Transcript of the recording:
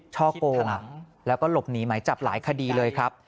ช่อโกงแล้วก็หลบหนีหมายจับหลายคดีเลยครับ